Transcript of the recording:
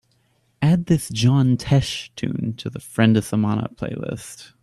Add this John Tesh tune to the friendesemana playlist